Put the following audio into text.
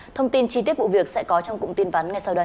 thông tin chi tiết vụ việc sẽ có trong cụm tin vắn ngay sau đây